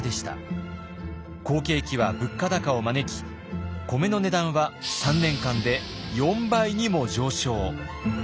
好景気は物価高を招き米の値段は３年間で４倍にも上昇。